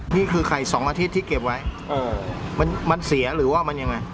นี่คือไข่๒อาทิตย์ที่เก็บไว้มันเสียหรือว่ามันยังไง